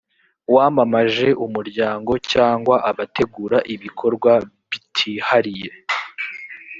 wamamaje umuryango cyangwa abategura ibikorwa bytihariye